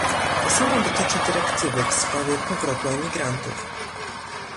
To samo dotyczy dyrektywy w sprawie powrotu emigrantów